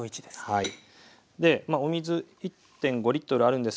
はい。